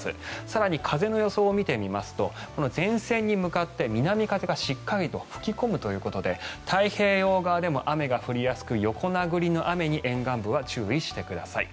更に風の予想を見てみますと前線に向かって南風がしっかりと吹き込むということで太平洋側でも雨が降りやすく横殴りの雨に沿岸部は注意してください。